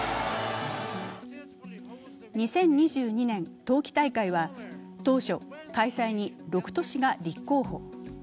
２０２２年冬季大会は当初、開催に６都市が立候補。